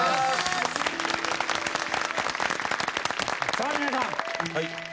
さあ皆さん。